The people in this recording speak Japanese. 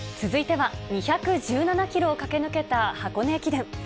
続いては、２１７キロを駆け抜けた箱根駅伝。